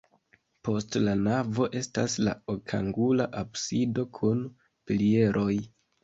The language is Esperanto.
Post la navo estas la okangula absido kun pilieroj.